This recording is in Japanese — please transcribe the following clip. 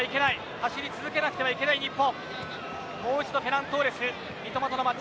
走り続けなくてはいけない日本。